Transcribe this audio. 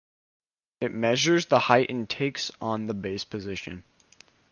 It measures the height and takes on the base position.